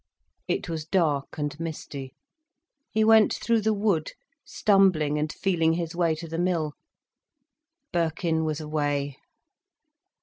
It was dark and misty. He went through the wood, stumbling and feeling his way to the Mill. Birkin was away.